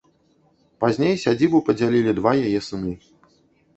Пазней сядзібу падзялілі два яе сыны.